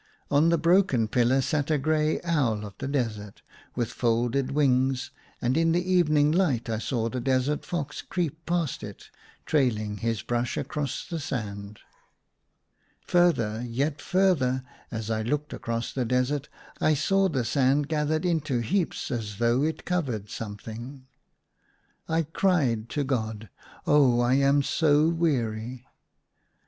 On the broken pillar sat a grey owl of the desert, with folded wings ; and in the evening light I saw the desert fox creep past it, trailing his brush across the sand. ACROSS MY BED. 157 Further, yet further, as I looked across the desert, I saw the sand gathered into heaps as though it covered something. I cried to God, " Oh, I am so weary."